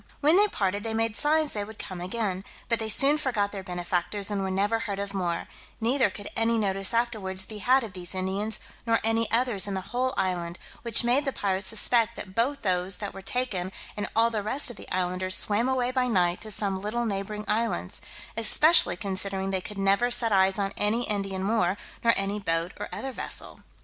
When they parted, they made signs they would come again, but they soon forgot their benefactors, and were never heard of more; neither could any notice afterwards be had of these Indians, nor any others in the whole island, which made the pirates suspect that both those that were taken, and all the rest of the islanders, swam away by night to some little neighbouring islands, especially considering they could never set eyes on any Indian more, nor any boat or other vessel.